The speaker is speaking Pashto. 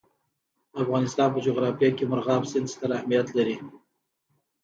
د افغانستان په جغرافیه کې مورغاب سیند ستر اهمیت لري.